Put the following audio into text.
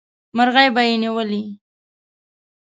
مرغۍ به یې نیولې.